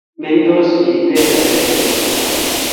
Mengtos bik, ter benderesiek kwai